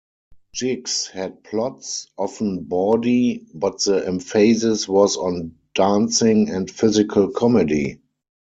Jigs had plots, often bawdy, but the emphasis was on dancing and physical comedy.